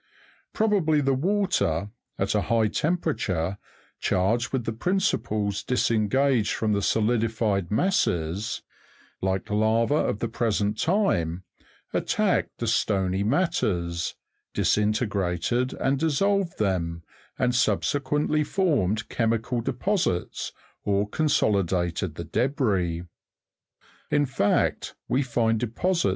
Probably the water, at a high temperature, charged with the principles disengaged from the solidified masses, like lava of the present time, attacked the stony matters, disintegrated and dissolved them, and subsequently formed chemical deposits, or consolidated the debris. In fact, we find deposit?